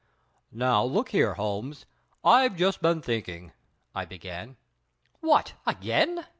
"Now, look here, Holmes, I've just been thinking " I began. "What! Again?"